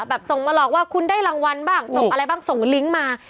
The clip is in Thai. ส่งมาหลอกว่าคุณได้รางวัลบ้างส่งอะไรบ้างส่งลิงก์มา